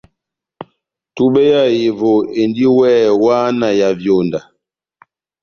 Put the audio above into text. Túbɛ ya ehevo endi weeeh wáhá na ya vyonda.